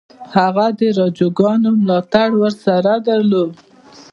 هغه د راجاګانو ملاتړ ورسره درلود.